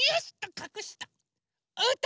かくした。